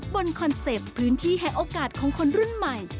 คอนเซ็ปต์พื้นที่แห่งโอกาสของคนรุ่นใหม่